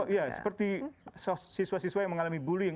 ya seperti siswa siswa yang mengalami bullying